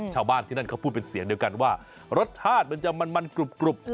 ชาวบ้านที่นั่นเขาพูดเป็นเสียงเดียวกันว่ารสชาติมันจะมันกรุบ